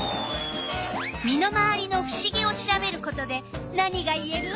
身の回りのふしぎを調べることで何がいえる？